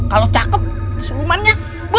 kalo cakep silumannya